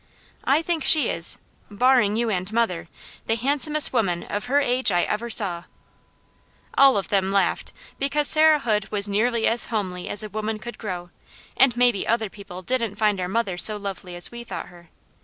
I think she is, barring you and mother, the handsomest woman of her age I ever saw " All of them laughed, because Sarah Hood was nearly as homely as a woman could grow, and maybe other people didn't find our mother so lovely as we thought her.